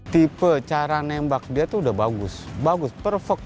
tipe cara nembak dia tuh udah bagus bagus perfect